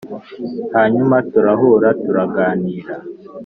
hanyuma, turahura turaganira,